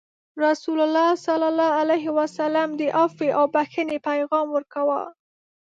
رسول الله صلى الله عليه وسلم د عفوې او بخښنې پیغام ورکوه.